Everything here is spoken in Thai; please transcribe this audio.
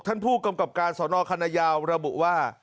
ท่านผู้กำกับการสนคณะยาวระบุว่า